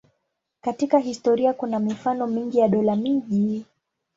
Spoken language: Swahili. Katika historia kuna mifano mingi ya dola-miji.